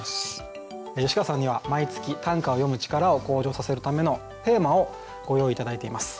吉川さんには毎月短歌を詠む力を向上させるためのテーマをご用意頂いています。